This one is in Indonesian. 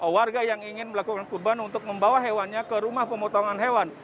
warga yang ingin melakukan kurban untuk membawa hewannya ke rumah pemotongan hewan